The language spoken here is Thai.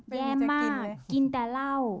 แย่มากกินแต่เหล้า